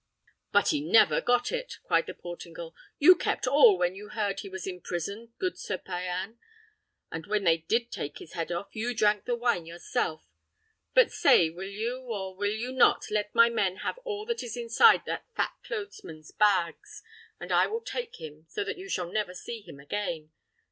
"But he never got it!" cried the Portingal. "You kept all when you heard he was in prison, good Sir Payan; and when they did take his head off, you drank the wine yourself. But say, will you, or will you not, let my men have all that is inside that fat clothesman's bags, and I will take him, so that you shall never see him again?